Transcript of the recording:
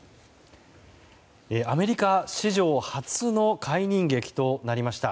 アメリカ史上初の解任劇となりました。